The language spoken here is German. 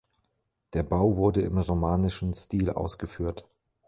Der Bau wurde im romanischen Stil ausgeführt.